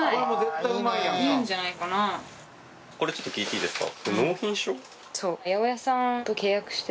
これちょっと聞いていいですか？